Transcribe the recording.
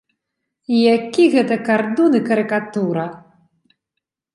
Які гэта кардон і карыкатура!